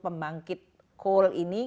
pembangkit coal ini